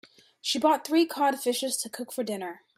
She bought three cod fishes to cook for dinner.